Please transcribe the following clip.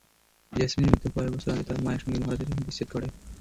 জেসমিনের মৃত্যুর কয়েক বছর আগে তাঁর মায়ের সঙ্গে মহারাজের বিচ্ছেদ ঘটে।